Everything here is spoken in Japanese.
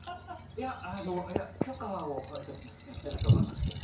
いやあのいや許可を取ってると思いますけど。